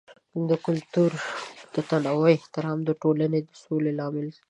د کلتور د تنوع احترام د ټولنې د سولې لامل کیږي.